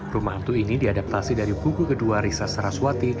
rumah hantu ini diadaptasi dari buku kedua risa saraswati